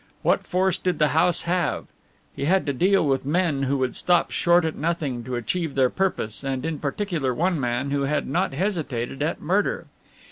What force did the house hold? He had to deal with men who would stop short at nothing to achieve their purpose and in particular one man who had not hesitated at murder.